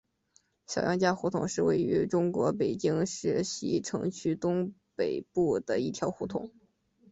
小杨家胡同是位于中国北京市西城区东北部的一条胡同。